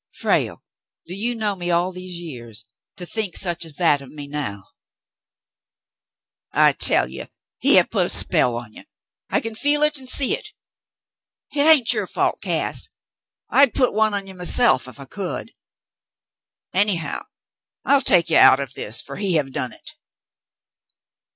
"Frale, do you know me all these years to think such , as that of me now ?" "I tell you he have put a spell on you. I kin feel hit an' see hit. Hit ain't your fault, Cass. I'd put one on you myself, ef I could. Anyhow, I'll take you out of this fer he have done hit."